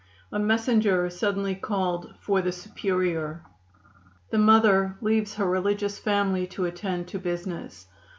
A messenger suddenly called for the Superior. The Mother leaves her religious family to attend to business.